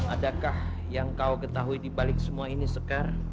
adakah yang kau ketahui dibalik semua ini sekar